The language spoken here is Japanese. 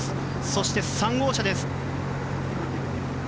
そして３号車です。